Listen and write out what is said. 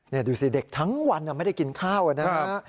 นี่ดูสิเด็กทั้งวันไม่ได้กินข้าวนะฮะ